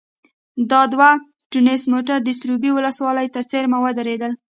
دا دوه ټونس موټر د سروبي ولسوالۍ ته څېرمه ودرېدل.